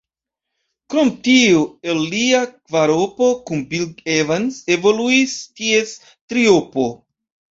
Krom tio el lia kvaropo kun Bill Evans evoluis ties triopo.